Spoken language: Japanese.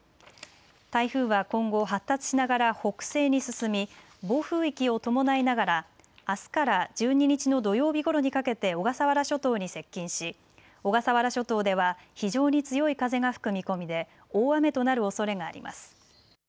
台風は今後、発達しながら北西に進み、暴風域を伴いながらあすから１２日の土曜日ごろにかけて小笠原諸島に接近し小笠原諸島では非常に強い風が吹く見込みで大雨となるおそれがあります。